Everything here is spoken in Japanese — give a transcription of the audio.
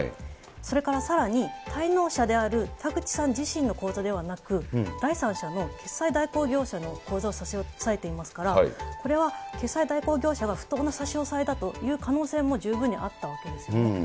それからさらに、滞納者である田口さん自身の口座ではなく、第三者の決済代行業者の口座を差し押さえていますから、これは決済代行業者が不当な差し押さえだという可能性も十分にあったわけですよね。